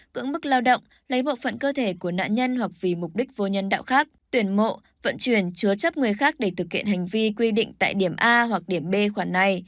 cưỡng mức lao động lấy bộ phận cơ thể của nạn nhân hoặc vì mục đích vô nhân đạo khác tuyển mộ vận chuyển chứa chấp người khác để thực hiện hành vi quy định tại điểm a hoặc điểm b khoản này